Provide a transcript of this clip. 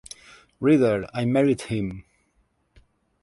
"Reader, I married him".